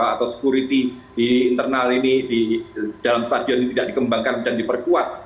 atau security di internal ini di dalam stadion ini tidak dikembangkan dan diperkuat